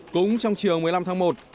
cũng trong chiều một mươi năm tháng một